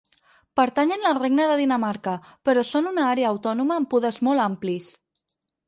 Pertanyen al regne de Dinamarca, però són una àrea autònoma amb poders molt amplis.